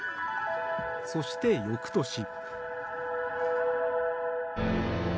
そして、翌年。